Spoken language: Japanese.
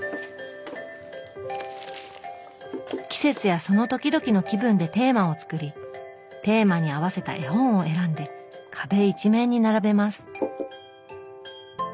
季節やその時々の気分でテーマを作りテーマに合わせた絵本を選んで壁一面に並べます